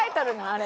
あれ。